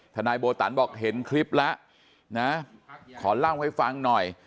ทนายโบตันบอกเห็นคลิปแล้วนะขอเล่าให้ฟังหน่อย